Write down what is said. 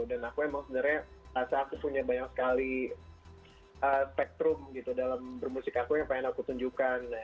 dan aku memang sebenarnya rasa aku punya banyak sekali spectrum gitu dalam bermusik aku yang pengen aku tunjukkan